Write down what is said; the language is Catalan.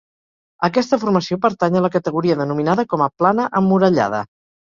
Aquesta formació pertany a la categoria denominada com a plana emmurallada.